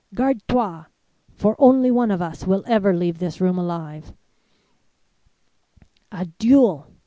"'Garde toi! for only one of us will ever leave this room alive!' "A duel!